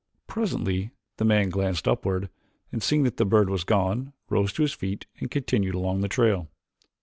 Presently the man glanced upward and seeing that the bird had gone, rose to his feet and continued along the trail.